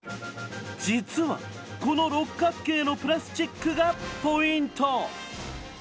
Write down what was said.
実はこの六角形のプラスチックがポイント。